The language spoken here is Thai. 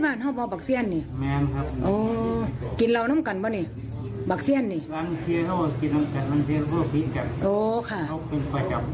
ร้านเชียร์เขาก็กินร้านเชียร์เขาก็พีชกับโอ้ค่ะเป็นประจำ